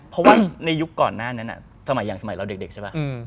เพราะว่าในยุคก่อนหน้านั้นสมัยอย่างสมัยเราเด็กใช่ป่ะ